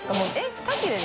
２切れで？